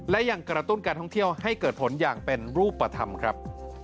และยังกระตุ้นการท่องเที่ยวให้เกิดผลอย่างเป็นรูปธรรมครับ